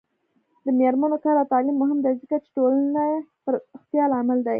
د میرمنو کار او تعلیم مهم دی ځکه چې ټولنې پراختیا لامل دی.